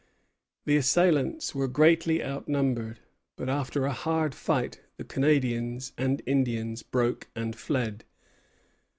The assailants were greatly outnumbered; but after a hard fight the Canadians and Indians broke and fled.